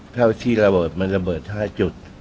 เท่าที่ระเบิดมันระเบิด๕จุด